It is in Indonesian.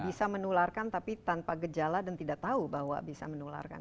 bisa menularkan tapi tanpa gejala dan tidak tahu bahwa bisa menularkan